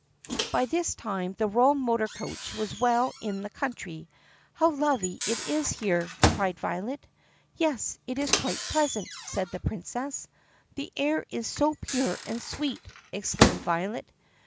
By this time the royal motor coach was well in the country. "How lovely it is here!" cried Violet. THE PUSSYCAT PRINCESS 83 "Yes, it is quite pleasant," said the Princess. "The air is so pure and sweet!" exclaimed Violet.